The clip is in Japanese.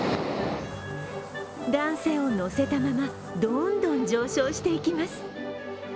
男性を乗せたまま、どんどん上昇していきます。